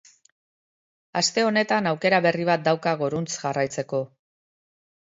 Aste honetan aukera berri bat dauka goruntz jarraitzeko.